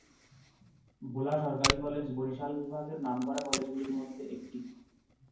ভোলা সরকারি কলেজ বরিশাল বিভাগ এর নামকরা কলেজগুলোর মধ্যে একটি।